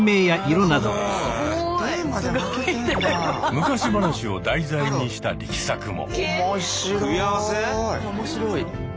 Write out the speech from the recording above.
昔話を題材にした力作も。